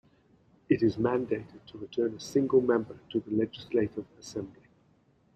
It is mandated to return a single member to the Legislative Assembly.